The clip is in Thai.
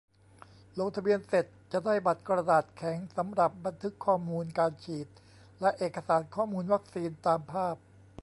ลงทะเบียนเสร็จจะได้บัตรกระดาษแข็ง สำหรับบันทึกข้อมูลการฉีดและเอกสารข้อมูลวัคซีน ตามภาพ